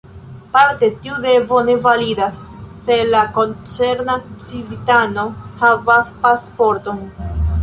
Parte tiu devo ne validas, se la koncerna civitano havas pasporton.